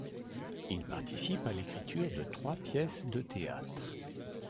Il participe à l'écriture de trois pièces de théâtre.